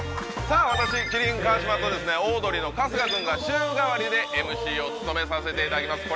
私麒麟川島とですねオードリーの春日君が週替わりでＭＣを務めさせていただきます